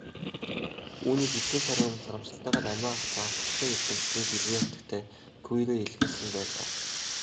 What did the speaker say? Үүнийг хэдхэн сарын өмнө харамсалтайгаар амиа алдсан алдартай эрдэмтний гэргий хатагтай Кюре илгээсэн байлаа.